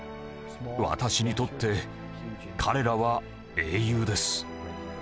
私にとって彼らは英雄です。